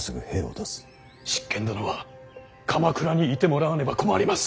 執権殿は鎌倉にいてもらわねば困ります！